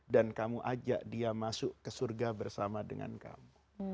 dan kamu ajak dia masuk ke surga bersama dengan kamu